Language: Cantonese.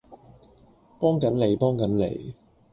幫緊你幫緊你